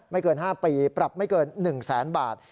เกิน๕ปีปรับไม่เกิน๑แสนบาท